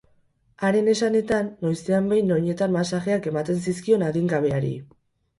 Haren esanetan, noizean behin oinetan masajeak ematen zizkion adingabeari.